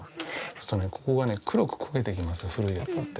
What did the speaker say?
そうするとね、ここが黒く焦げてきます、古いやつだと。